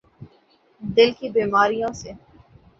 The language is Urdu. دل کی بیماریوں س